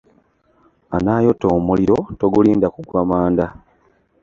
Anaayota omuliro togulinda kugwamanda.